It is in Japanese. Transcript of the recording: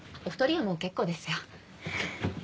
お２人はもう結構ですよ。